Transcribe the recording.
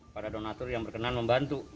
para donatur yang berkenan membantu